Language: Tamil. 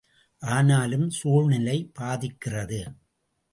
ஆனாலும், சூழ்நிலை பாதிக்கிறது!